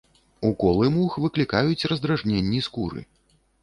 Уколы мух выклікаюць раздражненні скуры.